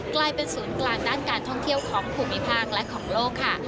กลายเป็นศูนย์กลางด้านการท่องเที่ยวของภูมิภาคและของโลกค่ะ